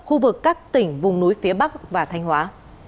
khu vực các tỉnh vùng núi phía bắc và thanh hóa